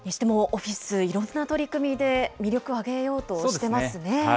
オフィス、いろんな取り組みで魅力上げようとしてますね。